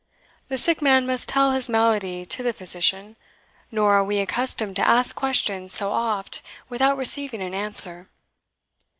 "The sick man must tell his malady to the physician; nor are WE accustomed to ask questions so oft without receiving an answer."